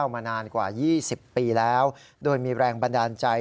มานานกว่า๒๐ปีแล้วโดยมีแรงบันดาลใจ